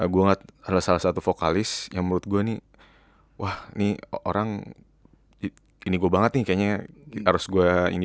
saya salah satu vokalisnya menurut gue nih wah nih orang diku banget nih kayaknya harus gua ini